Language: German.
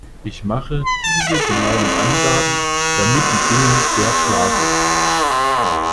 Ich mache diese genauen Angaben, damit die Dingen sehr klar sind.